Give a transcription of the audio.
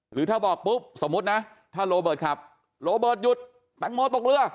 หรือถ้าบอกปุ๊บสมมุตินะถ้าโรเบิร์ตขับโรเบิร์ตหยุดแตงโมตกเรือ